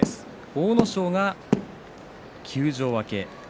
阿武咲が休場明け。